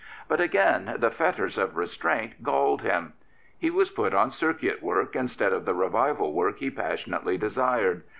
But again the fetters of restraint galled him. He was put on circuit work instead of the revival work he passionately desired.